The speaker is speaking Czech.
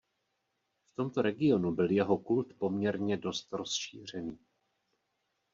V tomto regionu byl jeho kult poměrně dost rozšířený.